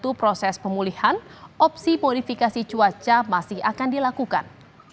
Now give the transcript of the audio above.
untuk proses pemulihan opsi modifikasi cuaca masih akan dilakukan